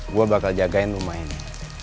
gue bakal jagain rumah ini